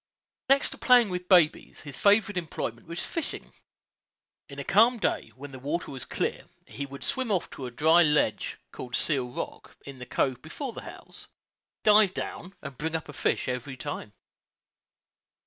Next to playing with babies, his favorite employment was fishing. In a calm day, when the water was clear, he would swim off to a dry ledge, called Seal Rock, in the cove before the house, dive down, and bring up a fish every time.